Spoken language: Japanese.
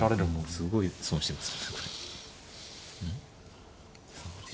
すごい一歩損してます。